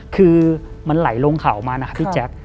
คือมันไหลลงเขามานะครับพี่แจ๊ค